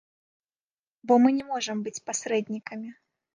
Бо мы не можам быць пасрэднікамі.